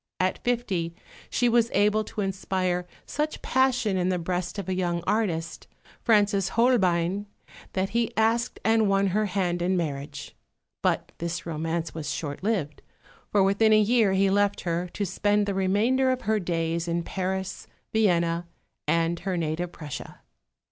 At fifty she was able to inspire such passion in the breast of a young artist, Francis Holbein, that he asked and won her hand in marriage. But this romance was short lived, for within a year he left her, to spend the remainder of her days in Paris, Vienna, and her native Prussia.